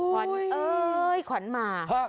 ขวัญเอ้ยขวัญมา